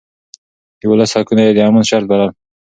د ولس حقونه يې د امن شرط بلل.